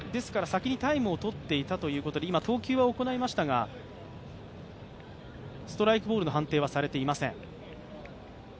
先にタイムをとっていたということで投球は行いましたがストライクボールの判定はされていません。